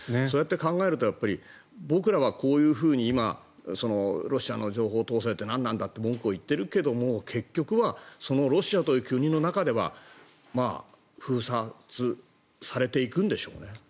そうやって考えると僕らはこういうふうに今、ロシアの情報統制って何なんだって文句を言っているけれど結局はそのロシアという国の中では封殺されていくんでしょうね。